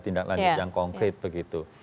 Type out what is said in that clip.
tindak lanjut yang konkret begitu